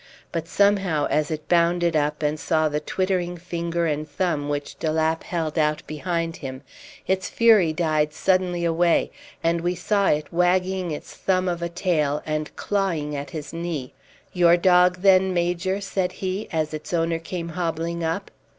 But somehow, as it bounded up and saw the twittering finger and thumb which de Lapp held out behind him, its fury died suddenly away, and we saw it wagging its thumb of a tail and clawing at his knee. "Your dog then, Major?" said he, as its owner came hobbling up.